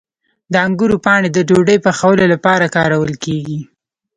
د انګورو پاڼې د ډوډۍ پخولو لپاره کارول کیږي.